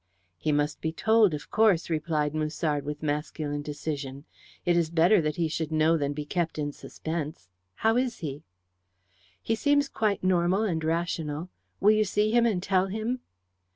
"He must be told, of course," replied Musard, with masculine decision. "It is better that he should know than be kept in suspense. How is he?" "He seems quite normal and rational. Will you see him and tell him?"